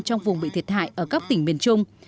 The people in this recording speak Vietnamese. trong vùng bị thiệt hại ở các tỉnh miền trung